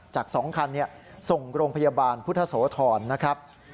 จาก๒คันส่งโรงพยาบาลพุทธโสธรนะครับ